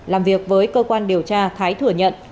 làm việc với cơ quan điều tra thái thừa nhận